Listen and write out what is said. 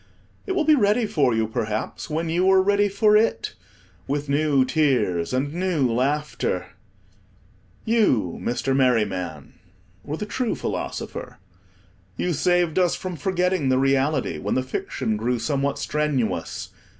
It will be ready for you, perhaps, when you are ready for it, with new tears and new laughter. You, Mr. Merryman, were the true philosopher. You saved us from forgetting the reality when the fiction grew somewhat strenuous.